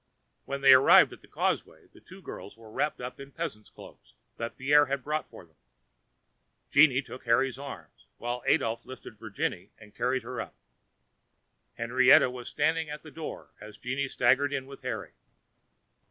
When they arrived at the little causeway the two girls were wrapped up in the peasants' cloaks which Pierre had brought with him. Jeanne took Harry's arm, while Adolphe lifted Virginie and carried her up. Henriette was standing at the door as Jeanne staggered in with Harry.